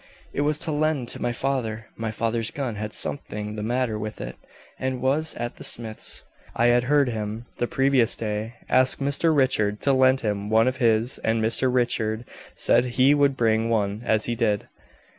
"It was to lend to my father. My father's gun had something the matter with it, and was at the smith's. I had heard him, the previous day, ask Mr. Richard to lend him one of his, and Mr. Richard said he would bring one, as he did."